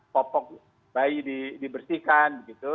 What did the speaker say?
popok bayi dibersihkan gitu